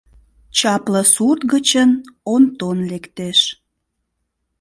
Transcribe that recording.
Чапле сурт гычын Онтон лектеш.